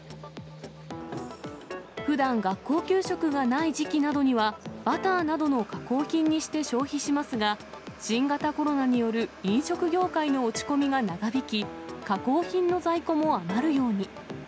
ふだん、学校給食がない時期などには、バターなどの加工品にして消費しますが、新型コロナによる飲食業界の落ち込みが長引き、加工品の在庫も余るように。